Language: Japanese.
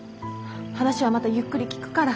話はまたゆっくり聞くから。